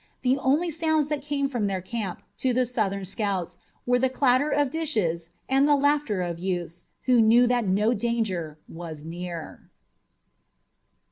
The only sounds that came from their camp to the Southern scouts were the clatter of dishes and the laughter of youths who knew that no danger was near.